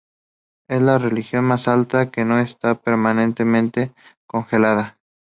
Es la región más alta que no está permanentemente congelada.